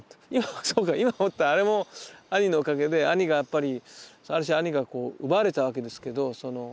そうか今思ったあれも兄のおかげで兄がやっぱりある種兄が奪われたわけですけど。